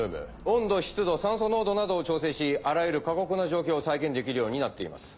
温度湿度酸素濃度などを調整しあらゆる過酷な状況を再現できるようになっています。